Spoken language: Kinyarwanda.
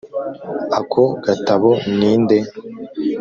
ako gatabo ni nde)